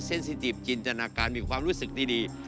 ซิติบจินตนาการมีความรู้สึกดี